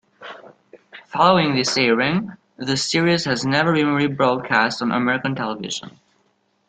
Following this airing, the series has never been rebroadcast on American television.